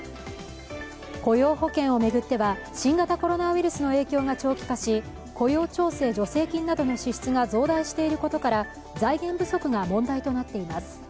雇用保険を巡っては、新型コロナウイルスの駅が長期化し、雇用調整助成金などの支出が増大していることから財源不足が問題となっています。